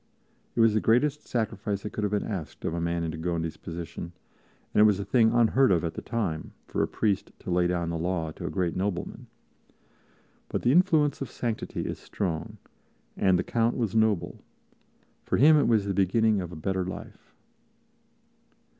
It was the greatest sacrifice that could have been asked of a man in de Gondi's position, and it was a thing unheard of at the time for a priest to lay down the law to a great nobleman. But the influence of sanctity is strong, and the Count was noble; for him it was the beginning of a better life.